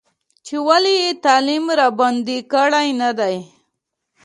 چې ولې یې تعلیم راباندې کړی نه دی.